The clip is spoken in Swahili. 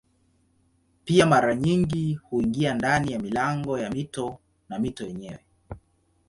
Pia mara nyingi huingia ndani ya milango ya mito na mito yenyewe.